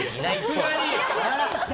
さすがに。